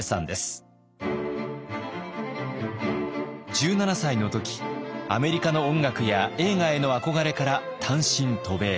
１７歳の時アメリカの音楽や映画への憧れから単身渡米。